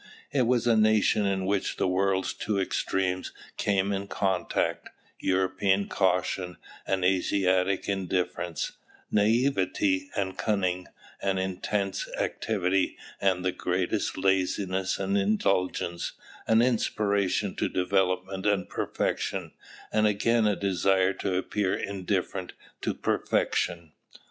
It was a nation in which the world's two extremes came in contact; European caution and Asiatic indifference, niavete and cunning, an intense activity and the greatest laziness and indulgence, an aspiration to development and perfection, and again a desire to appear indifferent to perfection."